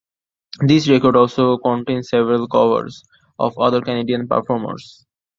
This record also contains several covers of other Canadian performers.